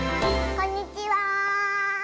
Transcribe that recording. こんにちは！